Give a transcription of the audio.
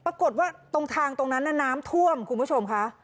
ปรากฏว่าตรงทางตรงนั้นน้ำท่วมคุณผู้ชมค่ะ